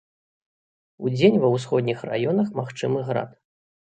Удзень ва ўсходніх раёнах магчымы град.